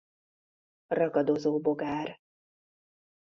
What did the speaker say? Ragadozó bogár.